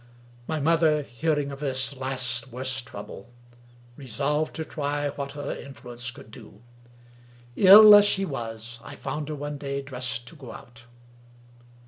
My mother, hearing of this last worse trouble, resolved to try what her influence could do. Ill as she was, I found her one day dressed to go out.